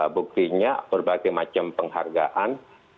buktinya berbagai macam penghargaan